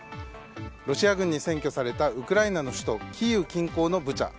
ロシア軍に占拠されたウクライナの首都キーウ近郊のブチャ。